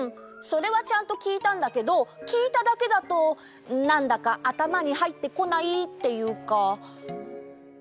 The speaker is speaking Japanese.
それはちゃんときいたんだけどきいただけだとなんだかあたまにはいってこないっていうか。